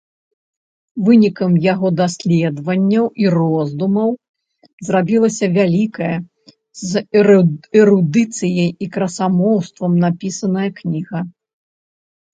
Вынікам яго даследаванняў і роздумаў зрабілася вялікая, з эрудыцыяй і красамоўствам напісаная кніга.